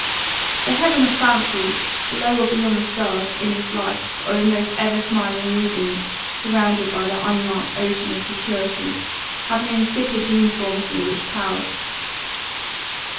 The heaven of fancy, below or beyond the stars, in this life, or in those ever smiling regions surrounded by the unmarked ocean of futurity, have an insipid uniformity which palls.